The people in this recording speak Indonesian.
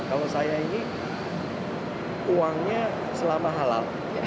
kalau saya ini uangnya selama halal